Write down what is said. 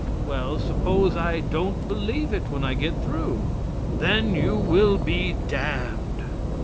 "Well, suppose I don't believe it, when I get through?" "Then you will be damned."